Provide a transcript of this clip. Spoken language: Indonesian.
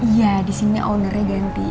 iya disini ownernya ganti